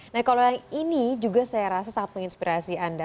nah kalau yang ini juga saya rasa sangat menginspirasi anda